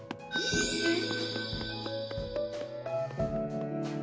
えっ？